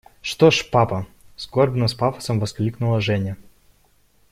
– Что ж, папа! – скорбно, с пафосом воскликнула Женя.